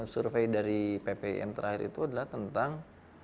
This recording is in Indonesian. survei dari ppm terakhir itu adalah tentang